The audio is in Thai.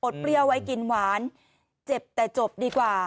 เปรี้ยวไว้กินหวานเจ็บแต่จบดีกว่า